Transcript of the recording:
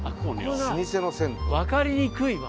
分かりにくいわ。